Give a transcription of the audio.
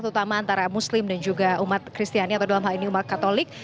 terutama antara muslim dan juga umat kristiani atau dalam hal ini umat katolik